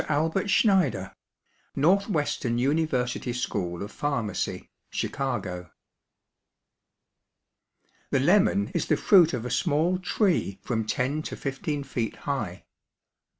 ALBERT SCHNEIDER, Northwestern University School of Pharmacy, Chicago. The lemon is the fruit of a small tree from ten to fifteen feet high.